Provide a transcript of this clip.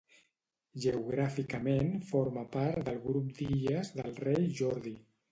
Geogràficament forma part del grup d'illes del Rei Jordi.